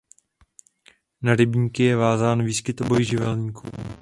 Na rybníky je vázán výskyt obojživelníků.